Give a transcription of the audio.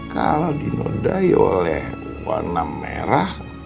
kalau dinodai oleh warna merah